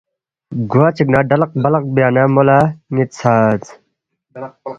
گوا چِک نہ ڈَلق بلق بیا نہ مو لہ نِ٘ت ژھدس